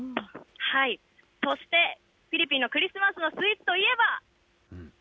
そしてフィリピンのクリスマスのスイーツといえば。